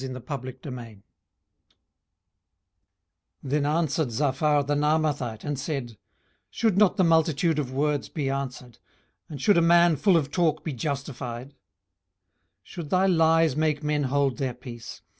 18:011:001 Then answered Zophar the Naamathite, and said, 18:011:002 Should not the multitude of words be answered? and should a man full of talk be justified? 18:011:003 Should thy lies make men hold their peace?